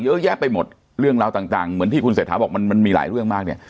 เยอะแยะไปหมดเรื่องราวต่างเหมือนที่คุณเศรษฐาบอกมันมันมีหลายเรื่องมากเนี่ย